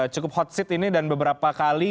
cukup hot seat ini dan beberapa kali